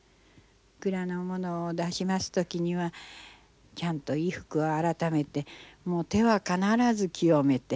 蔵のものを出します時にはちゃんと衣服を改めてもう手は必ず清めて。